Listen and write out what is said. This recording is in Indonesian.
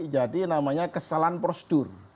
jadi namanya kesalahan prosedur